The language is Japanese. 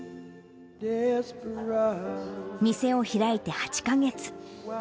店を開いて８か月。